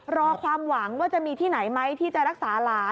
รอความหวังว่าจะมีที่ไหนไหมที่จะรักษาหลาน